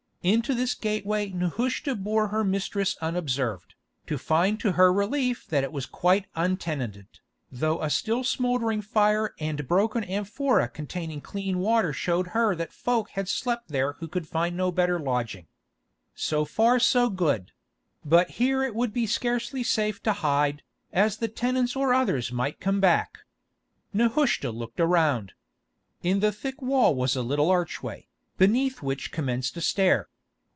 Into this gateway Nehushta bore her mistress unobserved, to find to her relief that it was quite untenanted, though a still smouldering fire and a broken amphora containing clean water showed her that folk had slept there who could find no better lodging. So far so good; but here it would be scarcely safe to hide, as the tenants or others might come back. Nehushta looked around. In the thick wall was a little archway, beneath which commenced a stair.